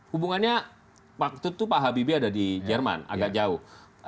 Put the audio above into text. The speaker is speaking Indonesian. hubungannya waktu itu pak habibie ada di jerman agak jauh